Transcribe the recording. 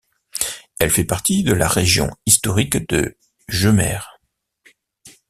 Elle fait partie de la région historique de Gemer.